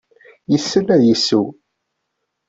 Yessen ad yesseww.